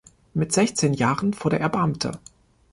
Mit sechzehn Jahren wurde er Beamter.